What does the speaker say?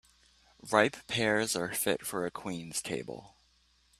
Ripe pears are fit for a queen's table.